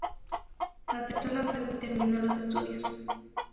Aceptó la oferta y terminó los estudios.